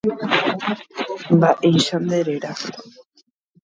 Rejepovyvy jahechápa ytýgui nereguenohẽi mba'erepymi.